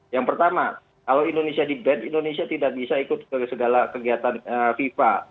yang pertama kalau indonesia di bad indonesia tidak bisa ikut ke segala kegiatan fifa